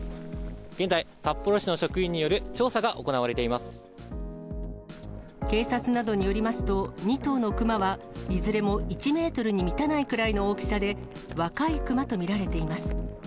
現在、札幌市の職員による調査が警察などによりますと、２頭の熊はいずれも１メートルに満たないくらいの大きさで、若い熊と見られています。